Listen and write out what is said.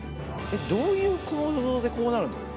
えっどういう構造でこうなるの？